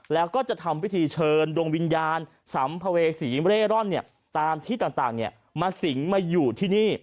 แล้วก็จะทำพิธีเชิญดวงวิญญาณสัมภเวษีเร่ร่อนตามที่ต่างมาสิงมาอยู่ที่นี่